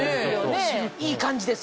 いい感じです